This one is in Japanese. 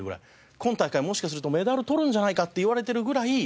今大会もしかするとメダル取るんじゃないかっていわれてるぐらい強いチーム。